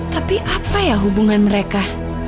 tapi apa ya hubungan mereka